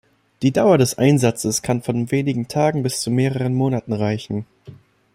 Die Dauer des Einsatzes kann von wenigen Tagen bis zu mehreren Monaten reichen.